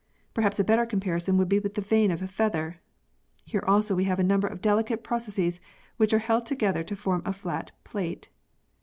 Perhaps a better com parison would be with the vane of a feather. Here also we have a number of delicate processes which are held together to form a flat plate.